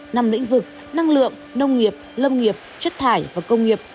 năm lĩnh vực năng lượng nông nghiệp lâm nghiệp chất thải và công nghiệp